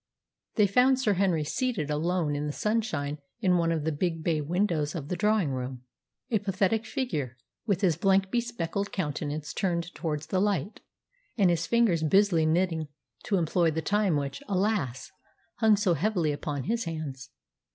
They found Sir Henry seated alone in the sunshine in one of the big bay windows of the drawing room, a pathetic figure, with his blank, bespectacled countenance turned towards the light, and his fingers busily knitting to employ the time which, alas! hung so heavily upon his hands.